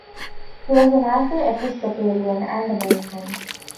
He was an active Episcopalian and a Mason.